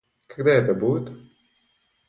Когда это будет?